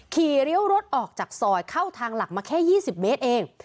เลี้ยวรถออกจากซอยเข้าทางหลักมาแค่๒๐เมตรเอง